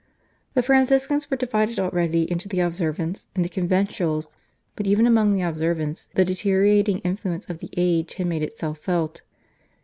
The Franciscans were divided already into the Observants and the Conventuals, but even among the Observants the deteriorating influence of the age had made itself felt.